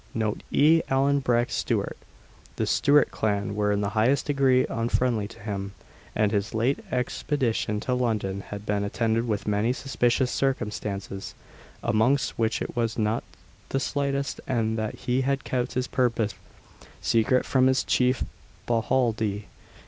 Note E. Allan Breck Stewart. The Stewart clan were in the highest degree unfriendly to him: and his late expedition to London had been attended with many suspicious circumstances, amongst which it was not the slightest that he had kept his purpose secret from his chief Bohaldie.